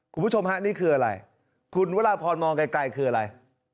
คุณผู้ชมฮะนี่คืออะไรคุณวราพรมองไกลคืออะไร